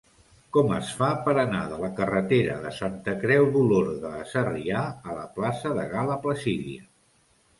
Com es fa per anar de la carretera de Santa Creu d'Olorda a Sarrià a la plaça de Gal·la Placídia?